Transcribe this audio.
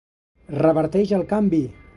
Reverteix el canvi!